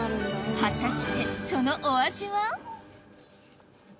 果たしてそのお味は？